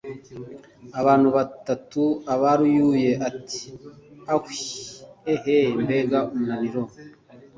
bantu batatu aba arayuye ati: aaaawwuuhh! eee mbega umunaniro wee!